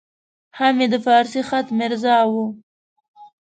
هم یې د فارسي خط میرزا وو.